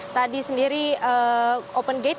tadi sendiri open games